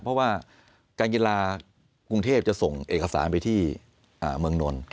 เพราะว่าการกีฬากรุงเทพจะส่งเอกสารไปที่เมืองนนท์